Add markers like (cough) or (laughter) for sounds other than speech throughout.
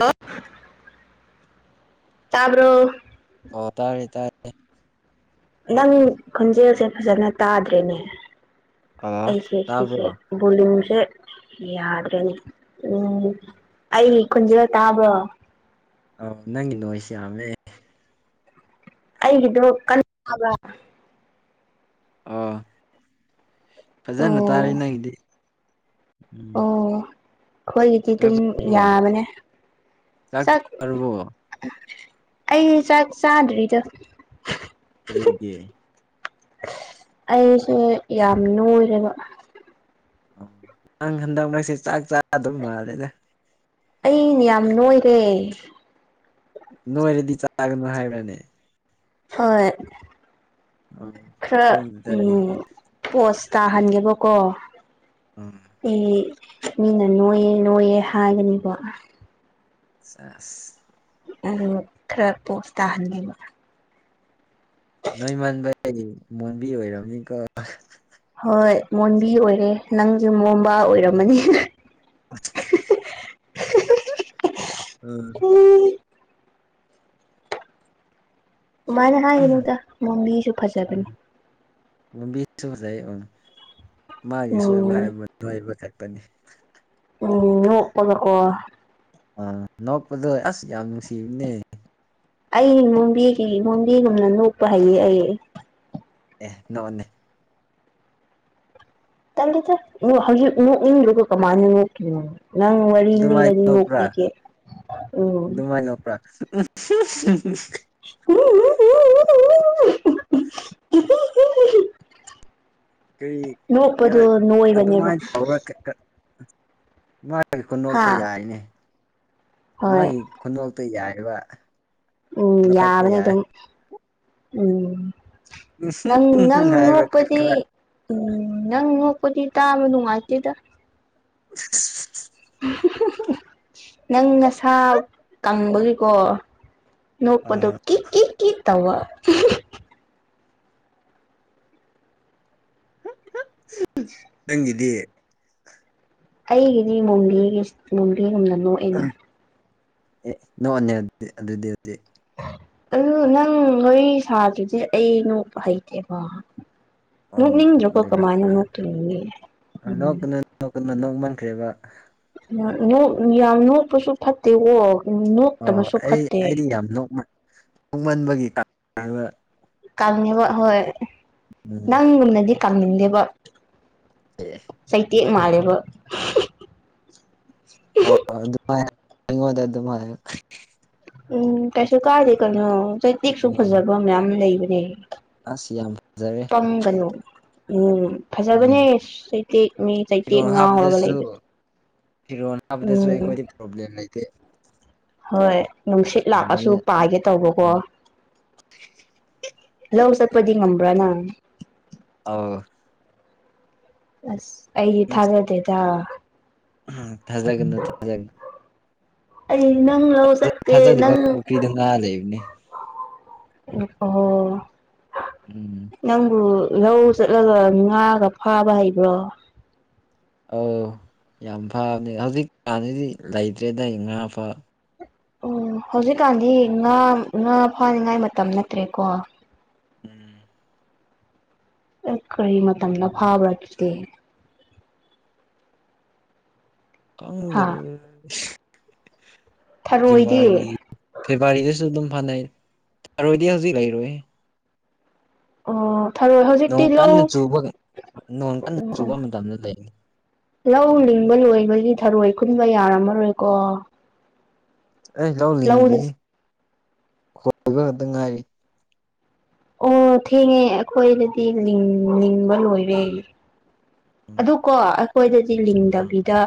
hello ꯇꯥꯕ꯭ꯔꯣ ꯑꯣ ꯇꯥꯏꯔꯦ ꯇꯥꯏꯔꯦ ꯅꯪ ꯈꯣꯟꯖꯦꯜꯁꯦ ꯐꯖꯅ ꯇꯥꯗ꯭ꯔꯦꯅꯦ ꯑ ꯑꯩꯁꯦ ꯁꯤꯁꯦ ꯇꯥꯕ꯭ꯔꯣ ꯕꯨꯂꯤꯡꯁꯦ ꯌꯥꯗ꯭ꯔꯦꯅꯦ ꯎꯝ ꯑ ꯈꯨꯖꯗ ꯇꯥꯕ ꯑꯥꯎ ꯅꯪꯒꯤ ꯅꯣꯣꯏꯁꯤ ꯌꯥꯝꯃꯦ ꯑꯩꯒꯤꯗꯣ ꯀꯕ ꯑꯣ ꯐꯖꯅ ꯑꯣ ꯇꯥꯔꯦ ꯅꯪꯒꯤꯗꯤ ꯎꯝ ꯑꯣ ꯑꯩꯈꯣꯏꯒꯤꯗꯤ ꯑꯗꯨꯝ ꯆꯥꯛꯕꯣ ꯌꯥꯕꯅꯦ ꯆꯥꯛ ꯑꯩ ꯆꯥꯛ ꯆꯥꯗ꯭ꯔꯤꯗ ꯀꯔꯤꯦ ꯑꯩꯁꯦ ꯌꯥꯝ ꯂꯨꯔꯦꯕ ꯑꯣ ꯅꯪ ꯍꯟꯗꯛ ꯅꯛꯁꯦ ꯆꯥꯛ ꯆꯥꯗꯕ ꯃꯥꯜꯂꯦꯗ ꯑꯅꯦ ꯌꯥꯝ ꯅꯣꯏꯔꯦ ꯅꯣꯏꯔꯗꯤ ꯆꯥꯒꯅꯨ ꯍꯥꯏꯕꯅꯦ ꯍꯣꯏ ꯑ ꯈꯔ ꯀꯪꯗꯔ ꯎꯝ ꯍꯥꯏꯗꯤ ꯄꯣꯁ ꯇꯥꯍꯟꯒꯦꯕꯀꯣ ꯎꯝ ꯑꯦ ꯃꯤꯅ ꯅꯣꯏꯌꯦꯦ ꯅꯣꯏꯌꯦꯦ ꯍꯥꯏꯒꯅꯤꯀꯣ ꯆꯁ ꯈꯔ ꯄꯣꯁ ꯇꯥꯍꯟꯈꯤꯕꯕ ꯅꯣꯏ ꯃꯟꯕ ꯃꯣꯟꯕꯤ ꯑꯣꯏꯔꯝꯅꯤꯀ ꯍꯣꯏ ꯃꯣꯟꯕꯤ ꯑꯣꯏꯔꯦ ꯅꯪꯁꯨ ꯃꯣꯕꯥ ꯑꯣꯏꯔꯝꯃꯅꯤ ꯑ ꯎꯝ ꯑꯗꯨꯃꯥꯏꯅ ꯍꯥꯏꯒꯅꯨꯗ ꯃꯣꯕꯤꯁꯨ ꯐꯖꯕꯅꯤ ꯝꯕꯤꯁꯨ ꯐꯩ ꯎꯝ ꯃꯥꯒꯤ ꯁꯣꯏꯕ ꯎꯝ ꯍꯥꯏꯕꯕ ꯐ ꯄꯅꯤ ꯎꯝ ꯑꯣꯄꯗꯀꯣ ꯑꯥ ꯅꯣꯛꯄꯗꯣ ꯑꯁ ꯌꯥꯝ ꯅꯨꯡꯁꯤꯕꯅꯦ ꯑꯩ ꯃꯣꯕꯤꯒꯤ ꯃꯣꯕꯤꯒꯨꯝꯅ ꯅꯣꯛꯄ ꯍꯩꯌꯦ ꯑꯩ ꯑꯦ ꯅꯅꯦ ꯇꯒꯤ ꯍꯧꯖꯤ ꯂ ꯀꯃꯥꯏ ꯅꯪ ꯋꯥꯔꯤꯔꯤ ꯏꯜ ꯑꯗꯨꯃꯥꯏꯅ ꯅꯣꯛꯄ꯭ꯔꯥ ꯏꯔꯗꯤꯂꯤꯦ ꯎꯝ ꯎ (unintelligible) ꯀꯩ ꯈꯔ ꯅꯣꯛꯄꯗꯣ ꯅꯣꯏꯕꯅꯦꯕ ꯑꯗꯨꯃꯥꯏꯅ ꯇꯧꯕ꯭ꯔꯥ ꯃꯥꯒꯤ ꯍꯥ ꯈꯨꯟꯗꯣꯛꯇ ꯌꯥꯏꯅꯦ ꯍꯣꯏ ꯃꯥꯒꯤ ꯈꯨꯗꯣꯛꯇ ꯌꯥꯏꯕ ꯎꯝ ꯂꯧꯈꯠꯄ ꯌꯥꯕꯅ ꯌꯥꯏ ꯑꯗꯨꯝ ꯎꯝ ꯅꯪ ꯅꯪ ꯍꯥꯏꯕ ꯅꯣꯛꯄꯗꯤ ꯈꯔ ꯎꯝ ꯅꯪ ꯅꯣꯀꯣꯗꯤ ꯇ ꯅꯅꯨꯡ ꯃꯥꯇꯗ (unintelligible) ꯅꯪ ꯉꯁꯥ ꯀꯪꯕꯒꯤꯀꯣ ꯑ ꯅꯣꯛꯄꯗꯨꯣ ꯀꯤ ꯀꯤ ꯀꯤ ꯇꯋꯥ ꯅꯪꯒꯤꯤꯗꯤ ꯑꯩꯒꯤꯗꯤ ꯃꯣꯕꯤꯒꯤ ꯃꯣꯕꯤꯒꯨꯝꯅ ꯅꯣꯛꯑꯅ ꯑꯦ ꯅꯣꯅꯦ ꯑꯗꯨꯗꯤ ꯑꯗꯨꯗꯤ ꯑꯗꯨ ꯅꯪ ꯋꯥꯔꯤꯣꯏ ꯁꯥꯗ꯭ꯔꯗꯤ ꯑꯩ ꯅꯣꯛꯄ ꯍꯩꯇꯦꯕ ꯅꯠ ꯑꯣ ꯂ ꯂꯀꯣ ꯑꯗꯨꯔ ꯀꯃꯥꯏ ꯅꯠꯇ ꯀꯅ ꯅꯣꯡ ꯃꯟꯈ꯭ꯔꯦꯕ ꯌꯥꯝ ꯅꯣꯛꯄꯁꯨ ꯐꯠꯇꯦ ꯍꯣ ꯅꯣꯛꯇꯕꯁꯨ ꯐꯠꯇꯦ ꯄꯨꯡꯃꯟꯕꯒꯤ ꯀꯪꯉꯦꯕ ꯍꯣꯏ ꯎꯝ ꯅꯪꯒꯨꯝꯅꯗꯤ ꯀꯪꯅꯤꯡꯗꯦꯕ ꯑꯦ ꯆꯩꯩꯇ꯭ꯌꯦꯛ ꯃꯥꯂꯕ ꯑꯣ ꯑꯗꯨꯃꯥꯏꯗ ꯑꯗꯨꯃ ꯎꯝ ꯀꯩꯁꯨ ꯀꯥꯏꯗꯦ ꯀꯩꯅꯣ ꯆꯩꯇꯦꯛꯁꯨ ꯎꯝ ꯐꯖꯕ ꯃꯌꯥꯝ ꯂꯩꯕꯅꯦ ꯑꯁ ꯌꯥꯝ ꯐꯖꯔꯦ ꯄꯪꯒꯅꯨ ꯎꯝ ꯎꯝ ꯐꯖꯕꯅꯦ ꯆꯩꯇꯦꯛ ꯃꯤ ꯆꯩꯇꯦꯛ ꯉꯥ ꯍꯧꯔꯒ ꯂꯩꯕꯁ ꯐꯤꯔꯣ ꯅꯥꯕꯗꯁꯨ ꯑꯩꯈꯣꯏꯗꯤ ꯄ꯭ꯔꯣꯕ꯭ꯂꯦꯝ ꯂꯩꯇꯦ ꯍꯣꯏ ꯅꯨꯡꯁꯤꯠ ꯂꯥꯛꯑꯁꯨ ꯀꯪꯕꯅꯦ ꯄꯥꯏꯒꯦ ꯇꯧꯕꯀꯣ ꯎꯝ ꯂꯧ ꯆꯠꯄꯗꯤ ꯉꯝꯕ꯭ꯔꯥꯅ ꯑꯥꯎ ꯑꯁ ꯑꯩꯗꯤ ꯊꯥꯖꯗꯦꯗ ꯊꯥꯖꯒꯦ ꯊꯥꯖꯒ ꯅꯪ ꯂꯧꯣ ꯁꯠ ꯊꯥꯖꯗꯕ ꯅꯪ ꯄꯨꯈ꯭ꯔꯤꯗ ꯉꯥ ꯂꯩꯕꯅꯦ ꯏꯣꯣ ꯎꯝ ꯅꯪꯕꯨ ꯂꯧ ꯆꯠꯂꯒ ꯉꯥꯒ ꯐꯥꯕ ꯍꯩꯕ꯭ꯔꯣ ꯑ ꯌꯥꯝ ꯐꯕꯅꯦ ꯍꯧꯖꯤꯛ ꯀꯥꯟꯅꯗꯤ ꯂꯩꯇ꯭ꯔꯦꯗ ꯉꯥ ꯐ ꯎ ꯍꯧꯖꯤꯛꯀꯥꯟꯗꯤ ꯉꯥ ꯉꯥ ꯐꯥꯅꯤꯡꯉꯥꯏ ꯃꯇꯝ ꯅꯠꯇ꯭ꯔꯦꯀꯣ ꯎꯝ ꯀꯔꯤ ꯃꯇꯝꯗ ꯐꯥꯕ꯭ꯔꯥ ꯑꯗꯨꯗꯦ ꯀꯪꯗ ꯍꯥ ꯂꯩ ꯖꯅꯋꯥꯔꯤ ꯊꯔꯣꯏꯗꯤ ꯐꯦꯕꯋꯥꯔꯤꯗꯁꯨ ꯑꯗꯨꯝ ꯐꯅꯩ ꯊꯔꯣꯏꯗꯤ ꯍꯧꯖꯤꯛ ꯂꯩꯔꯣꯏ ꯑꯣ ꯊꯔꯣꯏ ꯍꯧꯖꯤꯛꯇꯤ ꯅꯣꯡ ꯂꯧ ꯀꯟꯅ ꯆꯨꯕ ꯅꯣꯡ ꯀꯟꯅ ꯎ ꯎ ꯆꯨꯕ ꯃꯇꯝꯗ ꯂꯩꯅꯤ ꯂꯧ ꯂꯤꯡꯕ ꯂꯣꯏꯕꯒꯤ ꯊꯔꯣꯏ ꯈꯨꯟꯕ ꯌꯥꯔꯝꯃꯔꯣꯏꯀꯣ ꯑꯩ ꯂꯧꯗ ꯂꯧꯅꯤꯡꯗ꯭ꯔꯤ ꯈꯣꯏꯕ ꯉꯥꯛꯇ ꯉꯥꯏꯔꯤ ꯑꯣ ꯊꯦꯡꯉꯦ ꯑꯩꯈꯣꯏꯅꯗꯤꯤꯡꯅꯤꯡꯕ ꯂꯣꯏꯔꯦ ꯎꯝ ꯑꯗꯨ ꯀꯣ ꯑꯩꯈꯣꯏꯗꯗꯤ ꯂꯤꯡꯗꯕꯤꯗ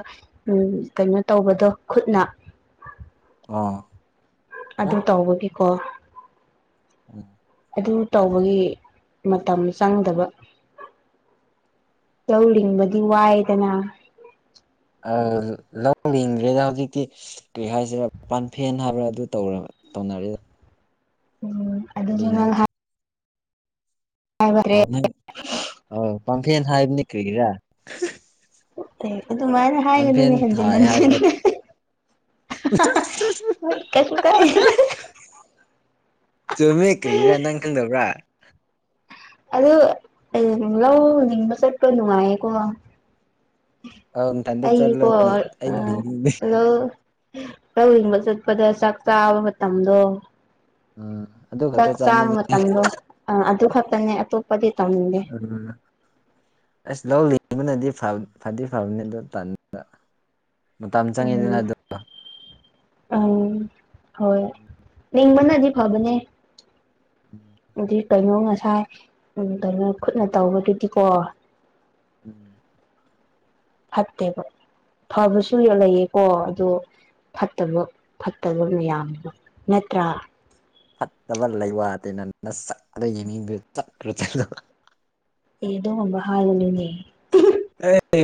ꯀꯩꯅꯣ ꯇꯧꯕꯗꯣ ꯈꯨꯠꯅ ꯑꯥ ꯑꯗꯨ ꯇꯧꯕꯒꯤꯀꯣ ꯑꯝ ꯑꯗꯨ ꯇꯧꯕꯒꯤ ꯃꯇꯝ ꯆꯪꯗꯕ ꯂꯧ ꯂꯤꯡꯕꯗꯤ ꯋꯥꯏꯗꯅ ꯑ ꯂꯧ ꯂꯤꯡꯗ꯭ꯔꯦꯗ ꯍꯧꯖꯤꯛꯇꯤ ꯀꯔꯤ ꯍꯥꯏꯁꯤꯔꯥ ꯄꯥꯟꯐꯦꯟ ꯍꯥꯏꯕ꯭ꯔꯥ ꯑꯗꯨ ꯇꯧꯔꯕ ꯇꯧꯅꯔꯦꯗ ꯎꯝ ꯑꯗꯨꯖꯨ ꯅꯪ ꯍꯥꯏꯕ ꯑ ꯅꯪ ꯑ ꯄꯥꯝꯐꯦꯟ ꯍꯥꯏꯕꯅꯤ ꯀꯔꯤꯒꯤꯔ ꯑꯦ ꯑꯗꯨꯃꯥꯏꯅ ꯍꯥꯏꯒꯅꯨꯅꯦ ꯍꯟꯖꯤꯟ ꯊꯥꯏ ꯍꯟꯖꯤꯟ ꯍꯥꯏꯕ꯭ꯔꯥ ꯍꯣꯏ ꯀꯩꯁꯨ ꯀꯥꯏꯗꯦꯗ ꯆꯨꯝꯃꯦ ꯀꯔꯤꯔꯥ ꯅꯪ ꯈꯪꯗꯕ꯭ꯔꯥ ꯑꯗꯨ ꯂꯧ ꯂꯤꯡꯕ ꯆꯠꯄ ꯅꯨꯡꯉꯥꯏꯀꯣ ꯑꯧ ꯅꯊꯟꯇ ꯑꯩꯗꯤꯀꯣ ꯆꯠꯂꯣꯅꯤ ꯑꯩꯗꯤ ꯑꯥ ꯂꯤꯡꯅꯤꯡꯗꯦ ꯍꯜꯂꯣ ꯂꯧ ꯂꯤꯡꯕ ꯆꯠꯄꯗ ꯆꯥꯛ ꯆꯥꯕ ꯃꯇꯝꯗꯣ ꯎꯝ ꯑꯗꯨ ꯆꯥꯛ ꯈꯛꯇ ꯆꯥꯕ ꯆꯥꯅꯤꯡꯉꯤ ꯃꯇꯝꯗꯣ ꯑꯗꯨ ꯈꯛꯇꯅꯦ ꯑꯇꯣꯞꯄꯗꯤ ꯇꯧꯅꯤꯡꯗꯦ ꯎꯝ ꯑꯁ ꯂꯧ ꯂꯤꯡ ꯕꯅꯗꯤ ꯐꯗꯤ ꯐꯕꯅꯤ ꯑꯗꯨ ꯇꯟꯕ ꯃꯇꯝ ꯆꯪꯉꯤꯗꯅ ꯎꯝ ꯗꯨ ꯎꯝ ꯍꯣꯏ ꯂꯤꯡꯕꯅꯗꯤ ꯐꯕꯅꯦ ꯑꯗꯤ ꯀꯩꯅꯣ ꯉꯁꯥꯏ ꯎꯝ ꯀꯩꯅꯣ ꯈꯨꯠꯅ ꯇꯧꯕꯗꯨꯗꯤꯀꯣ (inaudible) ꯐꯠꯇꯦꯕ ꯐꯕꯁꯨ ꯂꯩꯌꯦꯀꯣ ꯑꯗꯨ ꯐꯠꯇꯕ ꯐꯠꯇꯕ ꯃꯌꯥꯝꯗꯨ ꯅꯠꯇ꯭ꯔꯥ ꯐꯠꯇꯕ ꯂꯩ ꯋꯥꯇꯦꯅ ꯅꯁꯛꯗꯣ ꯌꯦꯡꯅꯤꯡꯗ꯭ꯔꯦ ꯆꯠꯈ꯭ꯔꯣ ꯆꯠꯂꯣ ꯑꯦ ꯑꯗꯨꯒꯨꯝꯕ ꯍꯥꯏꯒꯅꯨꯅꯦ ꯑꯦ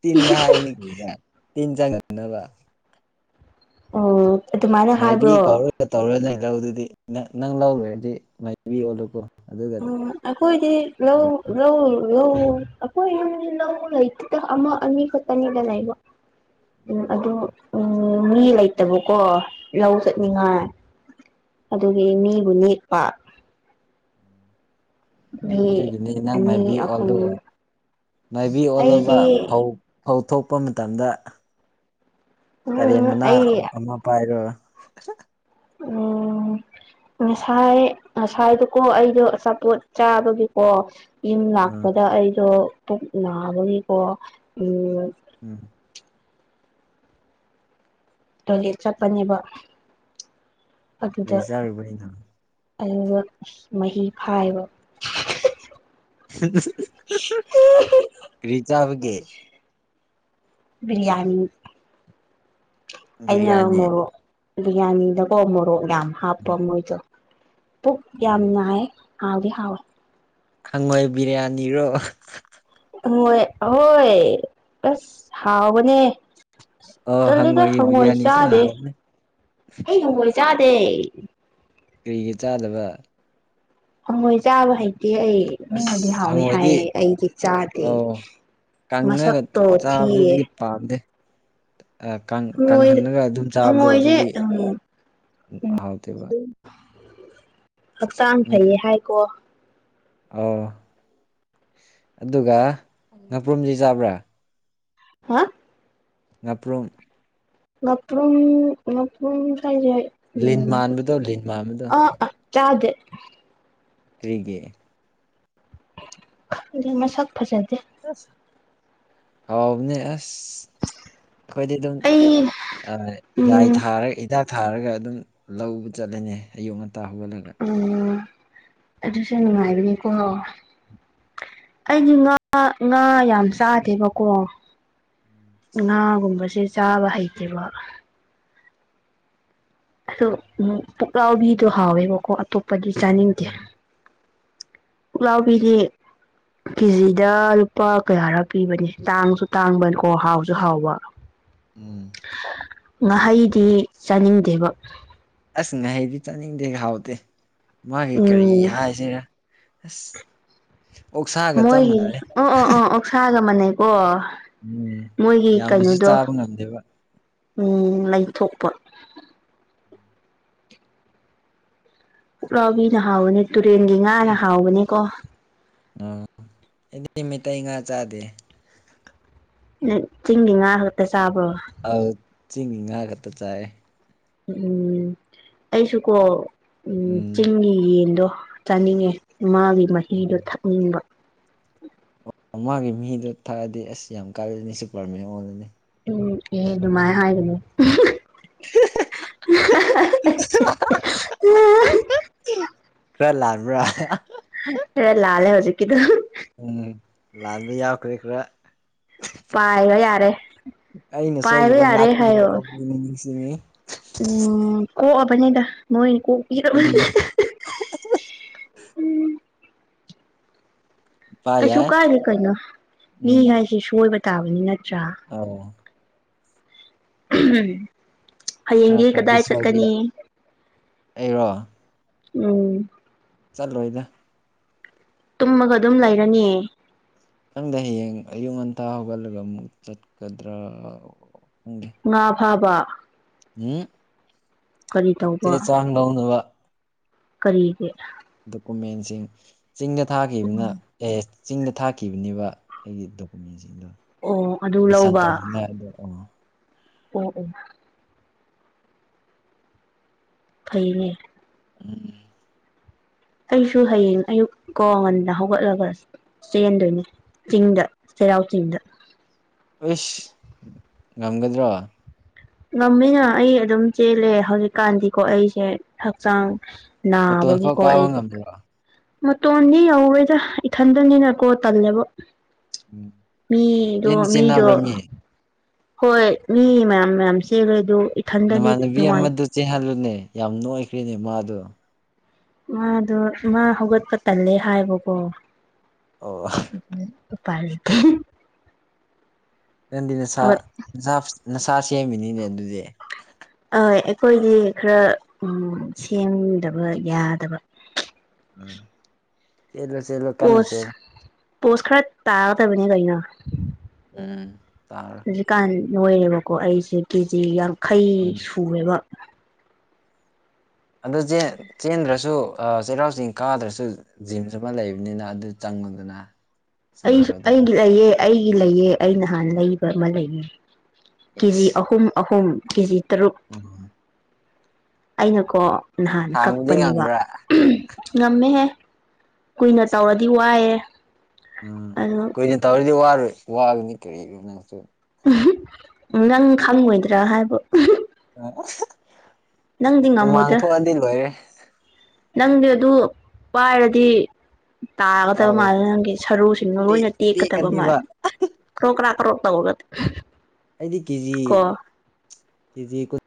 ꯇꯤꯟꯗ ꯍꯥꯏꯕꯅꯤ ꯀꯔꯤꯔꯥ ꯇꯤꯟ ꯆꯪ ꯉꯛꯅꯕ ꯑꯣ ꯑꯗꯨꯃꯥꯏꯅ ꯃꯥꯏꯕꯤ ꯍꯥꯏꯕ꯭ꯔꯣ ꯀꯧꯔꯒ ꯇꯧꯔꯅꯦ ꯂꯧ ꯗꯨꯗꯤ ꯅꯪ ꯂꯧꯔꯨꯔꯦꯗꯤ ꯃꯥꯏꯕꯤ ꯑꯣꯜꯀꯣ ꯎꯝ ꯑꯈꯣꯏꯗꯤ ꯂꯧ ꯂꯧ ꯂꯧ ꯑꯈꯣ ꯌꯨꯝꯗꯤ ꯂꯧ ꯂꯩꯇꯦꯗ ꯑꯃ ꯑꯅꯤ ꯈꯛꯇꯅꯤꯗ ꯂꯩꯕ ꯎꯝ ꯑꯗꯨ ꯎꯝ ꯃꯤ ꯂꯩꯇꯕꯀꯣ ꯂꯧ ꯆꯠꯅꯤꯡꯉꯥꯏ ꯑꯗꯨꯒꯤ ꯃꯤꯕꯨ ꯅꯦꯛꯄ ꯃꯤ ꯑꯗꯨꯒꯤꯅꯤ ꯅꯪ ꯃꯥꯏꯕꯤ ꯑꯅꯤ ꯑꯣꯜꯂꯨ ꯑꯍꯨꯝ ꯃꯥꯏꯕꯤ ꯑꯣꯜꯂꯨꯕ ꯑꯩꯗꯤ ꯐꯧ ꯐꯧ ꯊꯣꯛꯄ ꯃꯇꯝꯗ ꯇꯔꯦꯟ ꯎꯝ ꯃꯅꯥ ꯑꯩ ꯑꯃꯥ ꯄꯥꯏꯔꯣ ꯎꯝ ꯉꯁꯥꯏ ꯉꯁꯥꯏꯗꯨꯀꯣ ꯑꯩꯗꯣ ꯑꯆꯥꯄꯣꯠ ꯆꯥꯕꯒꯤꯀꯣ ꯌꯨꯝ ꯎꯝ ꯂꯥꯛꯄꯗ ꯑꯩꯗꯣ ꯄꯨꯛ ꯅꯥꯕꯒꯤꯀꯣ ꯎꯝ ꯎꯝ ꯇꯣꯏꯂꯦꯠ ꯆꯠꯄꯅꯦꯕ ꯀꯔꯤ ꯆꯥꯔꯨꯕꯩꯅꯣ ꯑꯩꯗꯣ ꯃꯍꯤ ꯐꯥꯏꯕ ꯀꯔꯤ ꯆꯥꯕꯒꯦ ꯕꯤꯔꯤꯌꯥꯅꯤ ꯑꯩꯅ ꯕꯤꯔꯌꯥꯅꯤ ꯃꯣꯔꯣꯛ ꯕꯤꯔꯤꯌꯥꯅꯤꯗꯀꯣ ꯃꯣꯔꯣꯛ ꯌꯥꯝ ꯍꯥꯞꯄ ꯎꯝ ꯃꯣꯏꯗꯣ ꯄꯨꯛ ꯌꯥꯝ ꯎꯝ ꯅꯥꯏ ꯍꯥꯎꯗꯤ ꯍꯥꯎꯋꯦ ꯈꯪꯉꯣꯏ ꯕꯤꯔꯤꯌꯥꯅꯤꯔꯣ ꯍꯣꯏ ꯍꯣꯏ ꯑꯁ ꯍꯥꯎꯕꯅꯦ ꯑꯣ ꯇꯜꯂꯤꯗ ꯍꯪꯉꯣꯏꯒꯤ ꯍꯪꯉꯣꯏ ꯕꯤꯔꯌꯥꯅꯤꯁꯨ ꯆꯥꯗꯦ ꯍꯥꯎꯕꯅꯦ ꯑꯩ ꯍꯪꯉꯣꯏ ꯆꯥ ꯇꯦ ꯀꯔꯤꯒꯤ ꯆꯥꯗꯕ ꯍꯪꯉꯣꯏ ꯆꯥꯕ ꯍꯩꯗꯤ ꯑꯩ ꯃꯤꯅꯗꯤ ꯑꯁ ꯍꯥꯎꯋꯤ ꯍꯪꯉꯣꯏꯗꯤ ꯍꯥꯏꯌꯦ ꯑꯩꯗꯤ ꯆꯥꯗꯦ ꯑꯣ ꯀꯪꯉꯒ ꯃꯁꯛꯇꯣ ꯊꯤꯌꯦ ꯆꯥꯕꯗꯗꯤ ꯄꯥꯝꯗꯦ ꯍꯪꯉꯣꯏ ꯀꯪꯍꯟꯅꯂꯒ ꯑꯗꯨꯝ ꯆꯥꯕꯗꯣ ꯍꯪꯉꯣꯏꯁꯦ ꯑꯗꯨꯗꯤ ꯎꯝ ꯍꯥꯎꯇꯦꯕ ꯍꯛꯆꯥꯡ ꯄꯨꯛꯅꯤꯡ ꯐꯩꯌꯦ ꯍꯥꯏꯀꯣ ꯑꯣ ꯑꯗꯨꯒ ꯉꯄ꯭ꯔꯨꯝꯁꯤ ꯆꯥꯕ꯭ꯔꯥ ꯍꯥ ꯉꯄ꯭ꯔꯨꯝ ꯉꯄꯔꯨꯝ ꯉꯄꯔꯝ ꯍꯥꯏꯖꯦ ꯎ ꯂꯤꯟ ꯃꯥꯟꯕꯗꯣ ꯂꯤꯟ ꯃꯥꯟꯕꯗꯣ ꯑ ꯑ ꯆꯗ ꯔꯔꯤꯒꯦ ꯈꯪꯗꯦ ꯃꯁꯛ ꯐꯖꯗꯦ ꯍꯥꯎꯕꯅꯤ ꯑꯩꯈꯣꯏꯗꯤ ꯑꯗꯨꯝ ꯑꯩ ꯌꯥꯏ ꯎꯝ ꯊꯥꯔꯒ ꯍꯤꯗꯥꯛ ꯊꯥꯔꯒ ꯑꯗꯨꯝ ꯂꯧꯕ ꯆꯠꯂꯅꯤ ꯑꯌꯨꯛ ꯉꯟꯇꯥ ꯍꯧꯒꯠꯂꯒ ꯑꯗꯨꯁꯅꯨꯡꯉꯥꯏꯅꯤꯀꯣꯣ ꯑꯩꯗꯤ ꯉꯥ ꯉꯥ ꯌꯥꯝ ꯆꯥꯗꯦꯕꯀꯣ ꯉꯥꯒꯨꯝꯕꯁꯦ ꯆꯥꯕ ꯍꯩꯇꯦꯕ ꯑꯗꯣ ꯎ ꯄꯨꯂꯥꯎꯕꯤꯗꯣ ꯍꯥꯎꯋꯦꯕꯀꯣ ꯑꯇꯣꯞꯄꯗꯤ ꯆꯥꯅꯤꯡꯗꯦ ꯎꯝ ꯄꯨꯂꯥꯎꯕꯤꯔꯤꯦ ꯀꯦꯖꯤꯗ ꯂꯨꯄꯥ ꯀꯌꯥꯔ ꯄꯤꯕꯅꯦ ꯇꯥꯡꯁꯨ ꯇꯥꯡꯕꯅꯤꯀꯣ ꯍꯥꯎꯁꯨ ꯍꯥꯎꯕ ꯎꯝ ꯉꯥꯍꯩꯗꯤ ꯆꯥꯅꯤꯡꯗꯦꯕ ꯑꯁ ꯉꯍꯩꯗꯤ ꯆꯥꯅꯤꯡꯗꯦ ꯍꯥꯎꯇꯦ ꯃꯥꯒꯤ ꯀꯔꯤ ꯎꯝ ꯍꯥꯏꯁꯤꯔꯥ ꯑꯁ ꯑꯣꯛꯁꯥꯒ ꯆꯞ ꯃꯣꯏꯒꯤ ꯃꯥꯟꯅꯔꯦ ꯑꯣ ꯑꯣ ꯑ ꯑꯣꯛꯁꯥꯒ ꯃꯥꯟꯅꯩꯀꯣ ꯎꯝ ꯃꯣꯏꯒꯤ ꯌꯥꯝꯅꯁꯨ ꯀꯩꯅꯣꯗꯣ ꯆꯥꯕ ꯉꯝꯗꯦꯕ ꯎꯝ ꯂꯩ ꯊꯣꯛꯄ ꯄꯨꯔꯥꯎꯕꯤꯅ ꯍꯥꯎꯕꯅꯦ ꯇꯨꯔꯦꯟꯒꯤ ꯉꯥꯅ ꯍꯥꯎꯕꯅꯦꯀꯣ ꯎ ꯑꯩꯗꯤ ꯃꯩꯇꯩ ꯉꯥ ꯆꯥꯗꯦ ꯆꯤꯡꯒꯤ ꯉꯥ ꯈꯛꯇ ꯆꯥꯕ꯭ꯔꯣ ꯑꯥ ꯆꯤꯡꯒꯤ ꯉꯥ ꯈꯛꯇ ꯆꯥꯏꯦ ꯎꯝ ꯑꯩꯁꯨꯀꯣ ꯎꯝ ꯆꯤꯡꯒꯤ ꯌꯦꯟꯗꯣ ꯆꯥꯅꯤꯡꯉꯦ ꯃꯥꯒꯤ ꯃꯍꯤꯗꯣ ꯊꯛꯅꯤꯡꯕ ꯑꯣ ꯃꯥꯒꯤ ꯃꯤꯗꯣ ꯊꯛꯑꯗꯤ ꯑꯁ ꯌꯥꯝ ꯀꯥꯏꯂꯅꯤ ꯁꯨꯄꯔꯃꯦꯟ ꯑꯣꯗꯅꯤ ꯎꯝ ꯑꯦ ꯑꯗꯨꯅꯨꯡꯃꯥꯏ ꯍꯥꯏꯒꯩꯅ (unintelligible) ꯈꯔ ꯂꯥꯟꯕ꯭ꯔꯥ ꯍ ꯂꯥꯜꯦ ꯍꯧꯖꯤꯛꯀꯤꯗꯨ ꯎꯝ ꯂꯥꯟꯗꯤ ꯌꯥꯎꯈ꯭ꯔꯦ ꯈꯔ ꯑꯩꯅ ꯄ ꯂꯩ ꯁꯣꯏꯈꯤꯕ ꯌꯥꯔꯦ ꯍꯥꯏ ꯑꯣ ꯉꯥꯛꯄꯤꯌꯨꯀꯣ ꯅꯤꯡꯁꯤꯡꯉꯤ ꯎꯝ ꯀꯣꯛꯑꯕꯅꯤꯗ ꯃꯣꯏ ꯀꯣꯛꯄꯤꯔꯅꯤ ꯎꯝ ꯎꯝ ꯄꯥ ꯀꯩꯁꯨ ꯌꯥꯏ ꯀꯥꯏꯗꯦ ꯀꯩꯅꯣ ꯃꯤ ꯍꯥꯏꯁꯦ ꯁꯣꯏꯕ ꯇꯥꯕꯅꯤꯅꯦ ꯑ (unintelligible) ꯈꯔ ꯍꯌꯦꯡꯗꯤ ꯈꯔꯗꯤ ꯀꯗꯥꯏ ꯁꯣꯏꯕ ꯌꯥ ꯆꯠꯀꯅꯤ ꯑꯩꯔꯣ ꯎꯝ ꯆꯠꯂꯣꯏꯗ ꯇꯨꯝꯃꯒ ꯑꯗꯨꯝ ꯂꯩꯔꯅꯤ ꯈꯪꯗꯦ ꯍꯌꯦꯡ ꯑꯌꯨꯛ ꯉꯟꯇꯥ ꯍꯧꯒꯠꯂꯒ ꯑꯃꯨꯛ ꯆꯠꯀꯗ꯭ꯔꯥ ꯈꯪꯗꯦ ꯉꯥ ꯐꯥꯕ (unintelligible) ꯀꯔꯤ ꯆꯦ ꯇꯧꯕ ꯆꯥꯡ ꯂꯧꯅꯕ ꯀꯔꯤꯒꯤ ꯗꯣꯀꯨꯃꯦꯟꯁꯤꯡ ꯆꯤꯡꯗ ꯊꯥꯈꯤꯕꯅ ꯑꯦꯁ ꯆꯤꯡꯗ ꯊꯥꯛꯈꯤꯕꯅꯦꯕ ꯑꯩꯒꯤ ꯗꯣꯀꯨꯃꯦꯟ ꯑꯣ ꯑꯗꯨ ꯃꯤꯁꯥꯟ ꯂꯧꯕ (unintelligible) ꯑꯗꯣ ꯑ ꯑꯣ ꯎꯝ ꯐꯩꯅꯦ ꯎꯝ ꯑꯩꯁꯨ ꯍꯌꯦꯡ ꯑꯌꯨꯛ ꯀꯣ ꯉꯟꯗ ꯍꯧꯒꯠꯂꯒ ꯆꯦꯟꯗꯣꯏꯅꯤ ꯆꯤꯡꯗ ꯆꯩꯔꯥꯎ ꯆꯤꯡꯗ ꯑꯦꯁ ꯉꯝꯒꯗ꯭ꯔꯣ ꯉꯝꯃꯤꯅ ꯑꯩ ꯑꯗꯨꯝ ꯆꯦꯜꯂꯦ ꯍꯧꯖꯤꯛꯀꯥꯟꯗꯤꯀꯣ ꯑꯩꯁꯦ ꯍꯛꯆꯥꯡ ꯃꯇꯣꯟ ꯐꯥꯎ ꯅꯥꯕꯒꯤꯀꯣ ꯀꯥꯕ ꯑꯩ ꯉꯝꯕ꯭ꯔꯣ ꯃꯇꯣꯟꯗꯤ ꯌꯧꯔꯣꯏꯗ ꯏꯊꯟꯗꯅꯤꯅꯀꯣ ꯇꯜꯂꯦꯕ ꯎꯝ ꯃꯤꯗꯣ ꯆꯦꯟꯗꯤ ꯃꯤꯗꯣ ꯆꯦꯟꯅꯕ꯭ꯔꯥ ꯃꯤ ꯍꯣꯏ ꯃꯤ ꯃꯌꯥꯝ ꯃꯌꯥꯝ ꯆꯦꯜꯂꯦ ꯑꯗꯨ ꯏꯊꯟꯗꯗꯤ ꯅꯃꯥꯟꯅꯕꯤ ꯅꯨꯡꯉꯥꯏ ꯑꯃꯗꯨ ꯆꯦꯟꯍꯜꯂꯨꯅꯦ ꯌꯥꯝ ꯅꯣꯏꯈ꯭ꯔꯦꯅꯦ ꯃꯥꯗꯣ ꯃꯥꯗꯣ ꯃꯥ ꯍꯧꯒꯠꯄ ꯇꯜꯂꯦ ꯍꯥꯏꯕꯀꯣ ꯑꯣ ꯎꯄꯥꯏ ꯂꯩꯇꯦ ꯅꯪꯗꯤ ꯅꯁꯥ ꯍꯧꯒꯠ ꯅꯁꯥ ꯁꯦꯝꯃꯤꯅꯤꯅꯦ ꯑꯗꯨꯗꯤ ꯑꯣꯏ ꯑꯩꯈꯣꯏꯗꯤ ꯈꯔ ꯎ ꯎꯝ ꯁꯦꯝꯗꯕ ꯌꯥꯗꯕ (unintelligible) ꯀꯟꯅ ꯄꯣꯁ ꯆꯦꯜꯂꯣ ꯄꯣꯁ ꯈꯔ ꯇꯥꯒꯗꯕꯅꯦ ꯀꯩꯅꯣ ꯎꯝ ꯇꯥꯔꯣ ꯍꯧꯖꯤꯛꯀꯥꯟ ꯅꯣꯏꯔꯦꯕꯀꯣ ꯑꯩꯁꯦ ꯀꯦꯖꯤ ꯌꯥꯡꯈꯩ ꯎꯝ ꯁꯨꯨꯔꯦꯕ ꯑꯗꯨ ꯆꯦꯟꯗ꯭ꯔꯁꯨ ꯆꯩꯔꯥꯎ ꯆꯤꯡ ꯀꯥꯗ꯭ꯔꯁꯨ ꯖꯤꯝꯁꯨ ꯑꯃ ꯂꯩꯕꯅꯤꯅ ꯑꯗꯨ ꯆꯪ ꯉꯨꯗꯅ ꯑꯩꯁꯨ ꯑꯩꯒꯤ ꯂꯩꯑꯦ ꯑꯩꯒꯤ ꯂꯩꯑꯦ ꯑꯩ ꯅꯍꯥꯟ ꯂꯩꯕ ꯑꯃ ꯂꯩꯌꯦ ꯀꯦꯖꯤ ꯏꯁ ꯑꯍꯨꯝ ꯑꯍꯨꯝ ꯀꯦꯖꯤ ꯇꯔꯨꯛ (unintelligible) ꯑꯩꯅꯀꯣ ꯅꯍꯥꯟ ꯊꯥꯡꯕꯗꯤ ꯀꯛꯄꯅꯦꯕ ꯉꯝꯕ꯭ꯔꯥ ꯉꯝꯃꯦꯍꯦ ꯀꯨꯏꯅ ꯏꯁ ꯇꯧꯔꯗꯤ ꯋꯥꯏꯌꯦ ꯎꯝ ꯀꯨꯏꯅ ꯇꯧꯔꯤꯗꯤ ꯋꯥꯔꯣꯏ ꯋꯥꯕꯅꯤ ꯀꯔꯤꯅꯣ ꯅꯪꯁꯨ ꯅꯪ ꯈꯪꯉꯣꯏꯗ꯭ꯔꯥ ꯍꯥꯏꯕ ꯅꯪꯗꯤ ꯍꯨꯃꯥꯡ ꯉꯝꯃꯣꯏꯗ꯭ꯔꯥ ꯊꯣꯛꯑꯗꯤ ꯂꯣꯏꯔꯦ ꯅꯪꯗꯤ ꯑꯗꯨ ꯄꯥꯏꯔꯗꯤ ꯇꯥꯒꯗꯕ ꯑꯧ ꯃꯥꯜꯂꯦ ꯅꯪꯒꯤ ꯁꯔꯨꯁꯤꯡꯗꯣ ꯄꯦꯛ ꯂꯣꯏꯅ ꯇꯦꯛꯀꯗꯕ ꯄꯦꯛꯀꯅꯤꯕ ꯃꯥꯜꯂꯦ ꯀ꯭ꯔꯣ ꯀ꯭ꯔꯥ ꯀ꯭ꯔꯣ ꯇꯧꯔ ꯑꯩꯗꯤ ꯀꯦꯖꯤ ꯀꯦꯖꯤ ꯀꯨꯟ